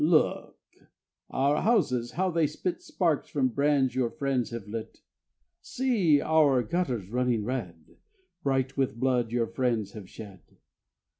Look! Our houses, how they spit Sparks from brands your friends have lit. See! Our gutters running red, Bright with blood your friends have shed.